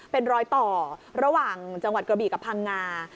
เป็นรอยต่อระหว่างจังหวัดกระบีกับพังงา